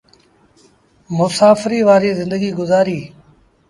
مسآڦريٚ وآريٚ زندگيٚ گزآريٚ۔